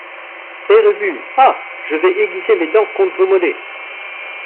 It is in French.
Père Ubu Ah ! je vais aiguiser mes dents contre vos mollets.